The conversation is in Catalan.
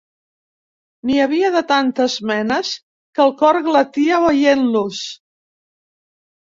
N'hi havia de tantes menes que'l cor glatia veient-los